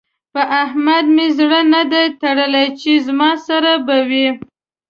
په احمد مې زړه نه دی تړلی چې زما سره به وي.